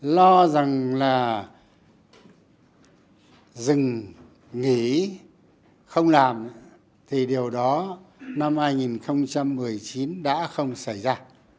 lo rằng là dừng nghỉ không làm thì điều đó năm hai nghìn một mươi chín đã không xảy ra